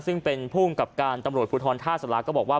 ซึ่งเป็นภูมิกับการตำรวจภูทรท่าสลาก็บอกว่า